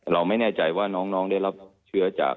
เราไม่แน่ใจว่าน้องได้รับเชื้อจาก